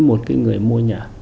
một cái người mua nhà